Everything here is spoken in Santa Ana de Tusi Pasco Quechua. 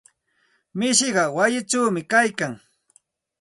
Mishiqa wayichawmi kaykan.